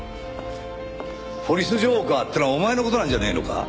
「ポリス浄化ぁ」ってのはお前の事なんじゃねえのか？